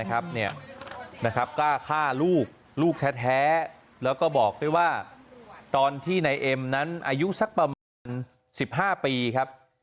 กล้าฆ่าลูกลูกแท้แล้วก็บอกด้วยว่าตอนที่นายเอ็มนั้นอายุสักประมาณ๑๕ปีครับ